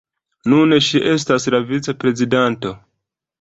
Nun ŝi estas la vic-prezidanto.